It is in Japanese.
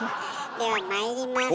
ではまいります。